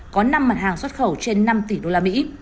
có năm mặt hàng xuất khẩu trên năm tỷ usd